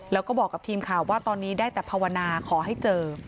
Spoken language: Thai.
แล้วก็บอกกับทีมข่าวว่าตอนนี้ได้แต่ภาวนาขอให้เจอ